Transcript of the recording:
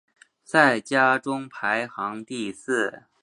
在家中排行第四。